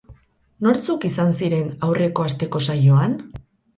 Nortzuk izan ziren aurreko asteko saioan?